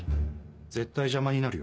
絶対邪魔になるよ。